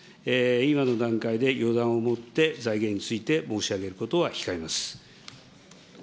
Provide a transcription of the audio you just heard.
今の段階で予断をもって財源について申し上げることは控えます。